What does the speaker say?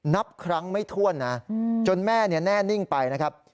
นับครั้งไม่ถ้วนนะจนแม่แน่นิ่งไปนะครับ